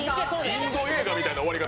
インド映画みたいな終わり方。